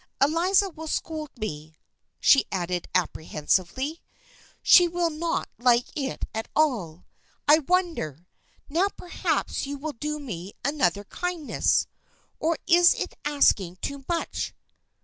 Eliza will scold me," she added apprehensively. " She will not like it at all. I wonder — now perhaps you will do me another kindness ? Or is it asking too much